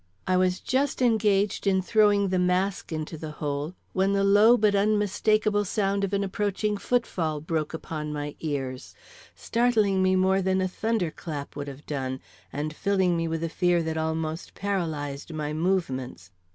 I was just engaged in throwing the mask into the hole, when the low but unmistakable sound of an approaching foot fall broke upon my ears, startling me more than a thunder clap would have done, and filling me with a fear that almost paralyzed my movements.